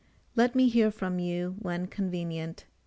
Let me hear from you when convenient.